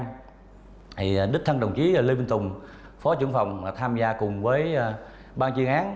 thì đích thân đồng chí lê minh tùng phó trưởng phòng tham gia cùng với ban chuyên án